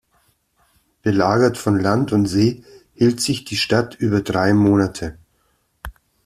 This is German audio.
Belagert von Land und See hielt sich die Stadt über drei Monate.